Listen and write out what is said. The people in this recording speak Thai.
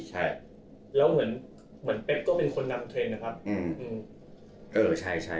แล้วเหมือนเป๊บก็เป็นคนนำเทรนด์นะครับ